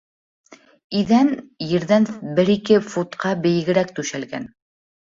Иҙән ерҙән берике футҡа бейегерәк түшәлгән.